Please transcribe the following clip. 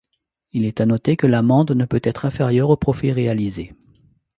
Il est à noter que l'amende ne peut être inférieure au profit réalisé.